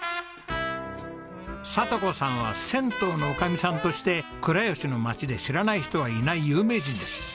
智子さんは銭湯の女将さんとして倉吉の町で知らない人はいない有名人です。